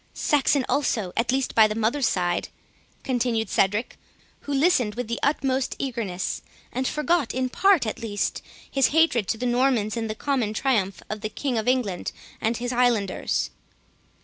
"Saxon also, at least by the mother's side," continued Cedric, who listened with the utmost eagerness, and forgot, in part at least, his hatred to the Normans, in the common triumph of the King of England and his islanders.